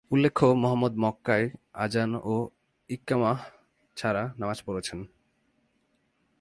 উল্লেখ্য মুহাম্মাদ মক্কায় আযান ও ইক্বামাহ্ ছাড়া নামাজ পড়েছেন।